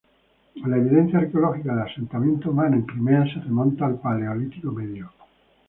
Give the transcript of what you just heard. La evidencia arqueológica de asentamiento humano en Crimea se remonta al Paleolítico Medio.